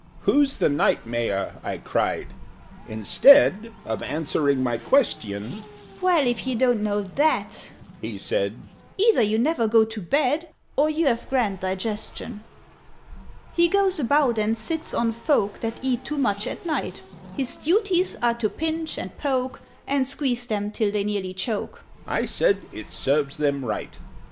"Who's the Knight Mayor?" I cried. Instead Of answering my question, "Well! If you don't know that," he said, "Either you never go to bed, Or you've a grand digestion! "He goes about and sits on folk That eat too much at night: His duties are to pinch, and poke, And squeeze them till they nearly choke." (I said "It serves them right!")